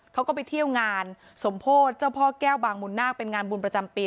เขาก็ไปเที่ยวงานสมโพธิเจ้าพ่อแก้วบางมุนนาคเป็นงานบุญประจำปี